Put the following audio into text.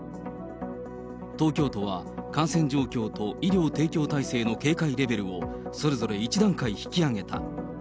東京都は感染状況と医療提供体制の警戒レベルを、それぞれ１段階引き上げた。